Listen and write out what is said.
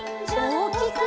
おおきく！